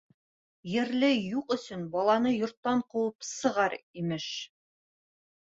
Ерле юҡ өсөн баланы йорттан ҡыуып сығар, имеш.